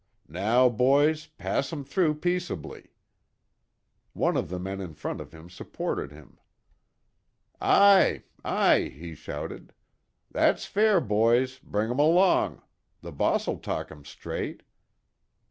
Now, boys, pass 'em through peaceably." One of the men in front of him supported him. "Aye, aye," he shouted. "That's fair, boys, bring 'em along. The boss'll talk 'em straight."